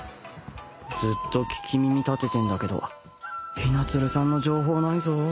ずっと聞き耳立ててんだけど雛鶴さんの情報ないぞ